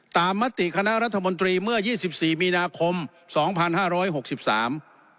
มติคณะรัฐมนตรีเมื่อยี่สิบสี่มีนาคมสองพันห้าร้อยหกสิบสาม